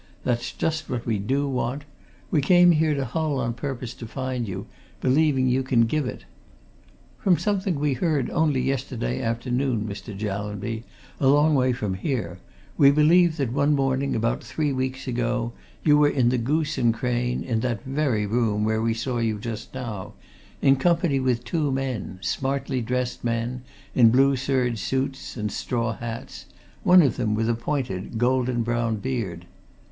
"That's just what we do want; we came here to Hull on purpose to find you, believing you can give it. From something we heard only yesterday afternoon, Mr. Jallanby, a long way from here, we believe that one morning about three weeks ago, you were in the Goose and Crane in that very room where we saw you just now, in company with two men smartly dressed men, in blue serge suits and straw hats; one of them with a pointed, golden brown beard.